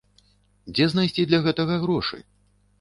Дзе знайсці для гэтага грошы?